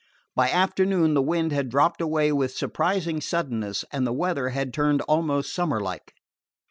By afternoon the wind had dropped away with surprising suddenness, and the weather had turned almost summer like.